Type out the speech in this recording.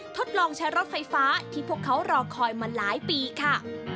ทดลองใช้รถไฟฟ้าที่พวกเขารอคอยมาหลายปีค่ะ